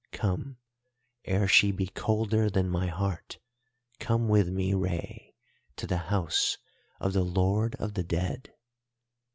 Come ere she be colder than my heart, come with me, Rei, to the house of the Lord of the Dead!